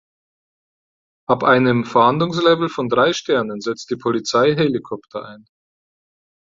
Ab einem Fahndungslevel von drei Sternen setzt die Polizei Helikopter ein.